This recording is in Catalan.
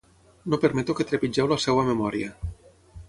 No permeto que trepitgeu la seva memòria.